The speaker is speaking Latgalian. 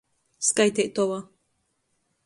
Skaiteitova.